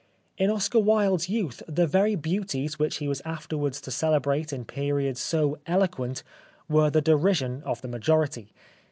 In Oscar Wilde's youth the very beauties which he was afterwards to celebrate in periods so eloquent were the derision of the majority.